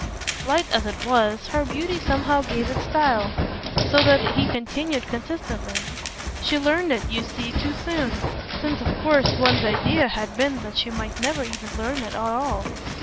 Slight as it was, her beauty somehow gave it style; so that he continued consistently: "She learned it, you see, too soon since of course one's idea had been that she might never even learn it at all.